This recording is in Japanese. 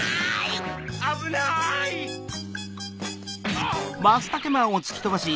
あっ！